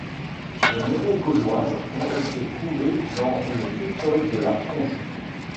Des monnaies gauloises ont été trouvées dans le sous-sol de La Tronche.